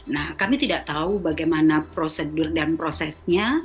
nah kami tidak tahu bagaimana prosedur dan prosesnya